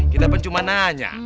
kita pencuman nanya